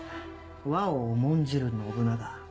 和を重んじる信長。